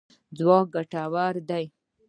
ځواک ګټور دی.